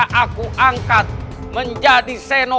baik aku sangat setuju sekali